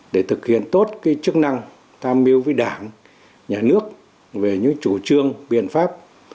để thực hiện tốt chức năng tham mưu với đảng nhà nước về những chủ trương biện pháp